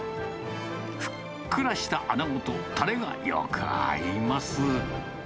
ふっくらしたあなごとたれがよく合います。